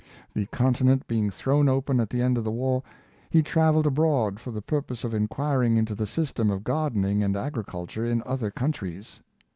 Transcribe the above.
The continent being thrown open at the end of the war, he traveled abroad for the purpose of inquiring into the system of gardening and agriculture in other countries.